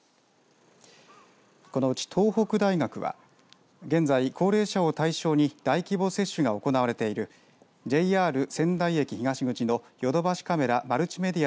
このうち、東北大学は現在、高齢者を対象に大規模接種が行われているＪＲ仙台駅東口のヨドバシカメラマルチメディア